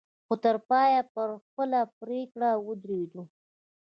خو تر پايه پر خپله پرېکړه ودرېدو.